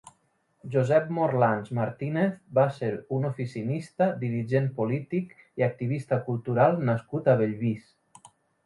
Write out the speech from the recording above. Josep Morlans Martínez va ser un oficinista, dirigent polític i activista cultural nascut a Bellvís.